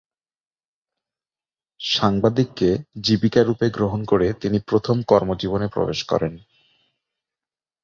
সাংবাদিককে জীবিকা রুপে গ্রহণ করে তিনি প্রথম কর্মজীবনে প্রবেশ করেন।